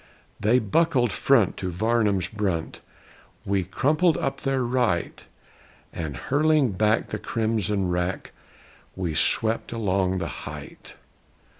They buckled front to Varnum's brunt; We crumpled up their right, And hurling back the crimson wrack We swept along the height.